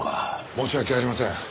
申し訳ありません。